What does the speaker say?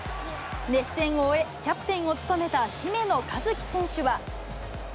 熱戦を終え、キャプテンを務めた姫野和樹選手は。